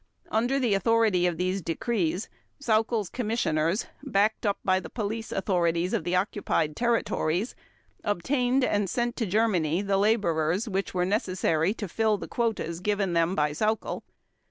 Under the authority of these decrees Sauckel's commissioners, backed up by the police authorities of the occupied territories, obtained and sent to Germany the laborers which were necessary to fill the quotas given them by Sauckel.